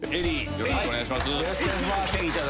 よろしくお願いします。